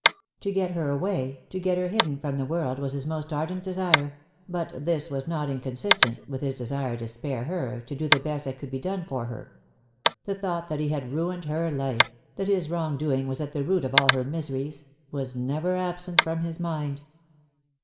To get her away, to get her hidden from the world was his most ardent desire; but this was not inconsistent with his de sire to spare her, to do the best that could be done for her. The thought that he had ruined her life — that his wrong doing was at the root of all her miseries — was never absent from his mind.